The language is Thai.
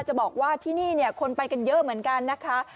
จะบอกว่าที่นี่เนี่ยคนไปกันเยอะเหมือนกันนะคะ